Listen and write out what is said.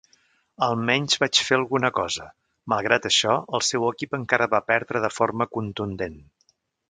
Almenys vaig fer alguna cosa. Malgrat això, el seu equip encara va perdre de forma contundent.